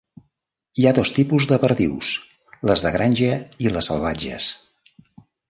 Hi ha dos tipus de perdius, les de granja i les salvatges.